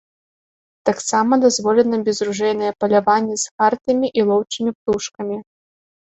Таксама дазволенае безружэйнае паляванне з хартамі і лоўчымі птушкамі.